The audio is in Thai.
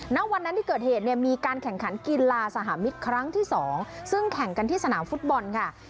น้ำวัดนั้นที่เกิดเหตุมีการแข็งขั้นกีฬาสหามิคครั้งที่สองซึ่งแข่งที่สนามฟุตบอลค่ะ